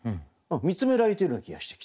見つめられてるような気がしてきた。